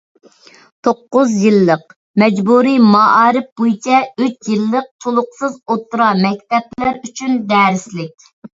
توققۇز يىللىق مەجبۇرىي مائارىپ بويىچە ئۈچ يىللىق تولۇقسىز ئوتتۇرا مەكتەپلەر ئۈچۈن دەرسلىك